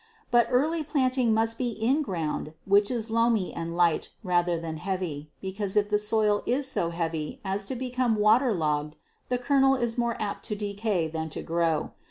But early planting must be in ground which is loamy and light rather than heavy, because if the soil is so heavy as to become water logged the kernel is more apt to decay than to grow.